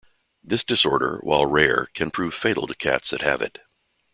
This disorder, while rare, can prove fatal to cats that have it.